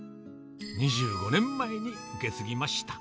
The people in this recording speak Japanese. ２５年前に受け継ぎました。